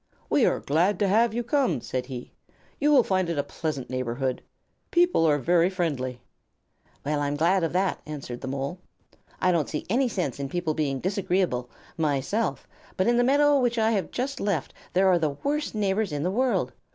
"We are glad to have you come," said he. "You will find it a pleasant neighborhood. People are very friendly." "Well, I'm glad of that," answered the Mole. "I don't see any sense in people being disagreeable, myself, but in the meadow which I have just left there were the worst neighbors in the world.